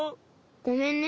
ごめんね。